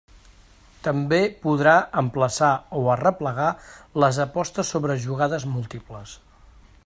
També podrà emplaçar o arreplegar les apostes sobre jugades múltiples.